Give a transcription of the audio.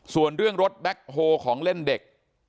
ส่วนเรื่องรถแบ็คโฮของเล่นเด็ก